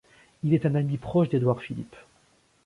Il est un ami proche d'Édouard Philippe.